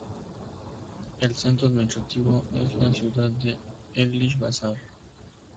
El centro administrativo es la ciudad de English Bazar.